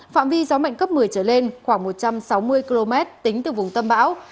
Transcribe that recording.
phạm vi gió mạnh cấp một mươi trở lên khoảng một trăm sáu mươi km tính từ vùng tâm bão